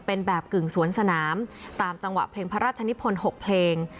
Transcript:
เป็นแบบกึ่งสวนสนามตามจังหวะเพลงพระราชนิพล๖เพลง